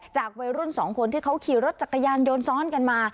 วัยรุ่นสองคนที่เขาขี่รถจักรยานยนต์ซ้อนกันมา